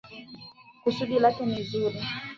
Kusudi lake ni zuri.